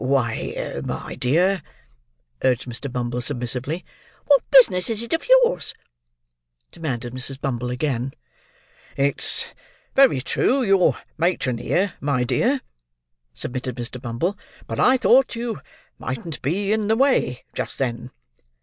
"Why, my dear—" urged Mr. Bumble submissively. "What business is it of yours?" demanded Mrs. Bumble, again. "It's very true, you're matron here, my dear," submitted Mr. Bumble; "but I thought you mightn't be in the way just then."